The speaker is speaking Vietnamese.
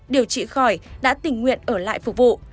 điều trị khỏi đã tình nguyện ở lại phục vụ